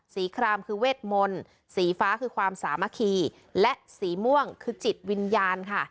ครามคือเวทมนต์สีฟ้าคือความสามัคคีและสีม่วงคือจิตวิญญาณค่ะ